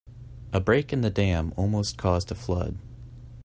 A break in the dam almost caused a flood.